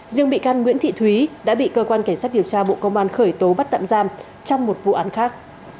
riêng bị can nguyễn thị thúy đã bị cơ quan cảnh sát điều tra bộ công an khởi tố bắt tạm giam trong một vụ án khác